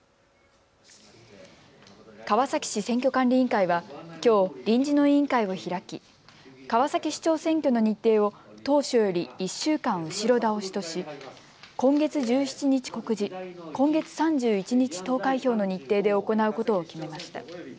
川崎市選挙管理委員会はきょう、臨時の委員会を開き川崎市長選挙の日程を当初より、１週間後ろ倒しとし今月１７日告示、今月３１日投開票の日程で行うことを決めました。